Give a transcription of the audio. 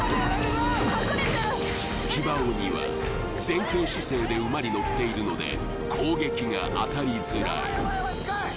隠れてる騎馬鬼は前傾姿勢で馬に乗っているので攻撃が当たりづらいヤバいヤバい近い！